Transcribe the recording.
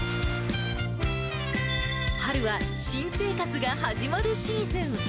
春は新生活が始まるシーズン。